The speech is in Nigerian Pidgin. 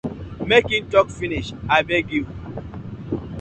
Mek im tok finish abeg yu.